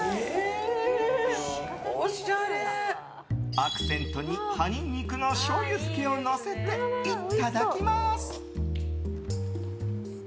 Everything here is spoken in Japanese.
アクセントに、葉ニンニクのしょうゆ漬けをのせていただきます。